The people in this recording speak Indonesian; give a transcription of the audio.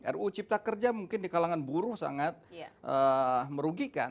ruu cipta kerja mungkin di kalangan buruh sangat merugikan